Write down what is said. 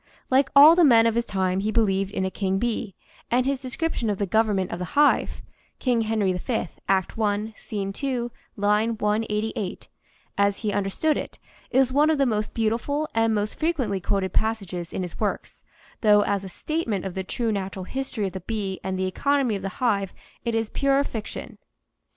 Like all the men of his time he believed in a king bee, and his descrip tion of the government of the hive ("King Henry V," Act I, Scene 2, line 188), as he understood it, is one of the most beautiful and most frequently quoted passages in his works, though as a statement of the true natural history of the bee and the economy of the hive it is pure fiction.